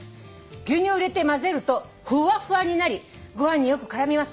「牛乳を入れて混ぜるとふわふわになりご飯によく絡みます。